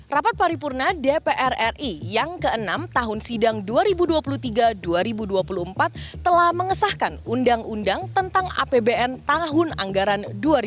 rapat paripurna dpr ri yang ke enam tahun sidang dua ribu dua puluh tiga dua ribu dua puluh empat telah mengesahkan undang undang tentang apbn tahun anggaran dua ribu dua puluh